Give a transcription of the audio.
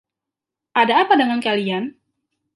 Ada apa dengan kalian?